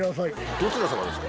どちら様ですか？